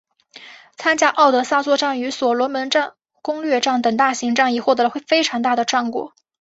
参加敖德萨作战与所罗门攻略战等大型战役获得了非常大的战果。